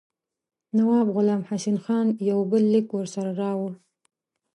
نواب غلام حسین خان یو بل لیک ورسره راوړ.